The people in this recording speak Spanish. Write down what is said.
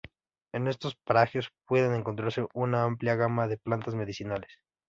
En estos parajes pueden encontrarse una amplia gama de plantas medicinales.